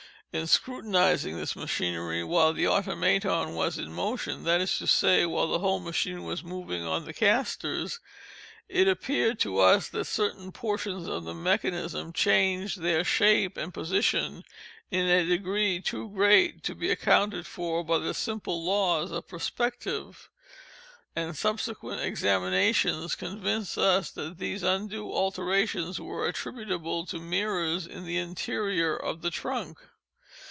In scrutinizing this machinery while the Automaton was in motion, that is to say while the whole machine was moving on the castors, it appeared to us that certain portions of the mechanism changed their shape and position in a degree too great to be accounted for by the simple laws of perspective; and subsequent examinations convinced us that these undue alterations were attributable to mirrors in the interior of the trunk.